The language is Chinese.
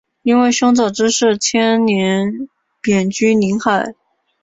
因为兄长之事牵连贬居临海。